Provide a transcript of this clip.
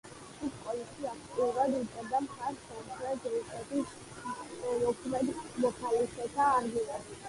კუკ-კოლისი აქტიურად უჭერდა მხარს სამხრეთ რუსეთის მოქმედ მოხალისეთა არმიას.